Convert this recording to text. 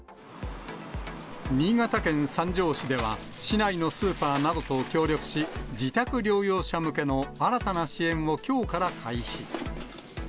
新潟県三条市では、市内のスーパーなどと協力し、自宅療養者向けの新たな支援をきょうから開始。